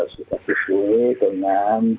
sudah disukui dengan